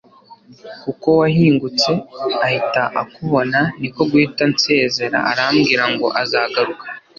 kuko wahingutse ahita akubona niko guhita ansezera arambwira ngo azagaruka